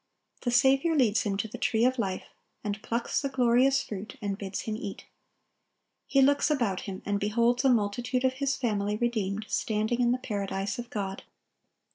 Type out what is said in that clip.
The Saviour leads him to the tree of life, and plucks the glorious fruit, and bids him eat. He looks about him, and beholds a multitude of his family redeemed, standing in the Paradise of God.